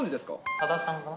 多田さん。